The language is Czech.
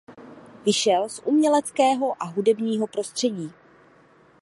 Vyšel z uměleckého a hudebního prostředí.